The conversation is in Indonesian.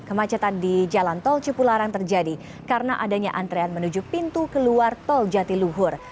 kemacetan di jalan tol cipularang terjadi karena adanya antrean menuju pintu keluar tol jatiluhur